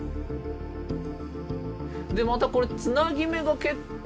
でまたこれつなぎ目が結構。